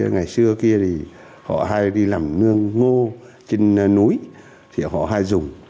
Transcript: ngày xưa kia thì họ hay đi làm nương ngô trên núi thì họ hay dùng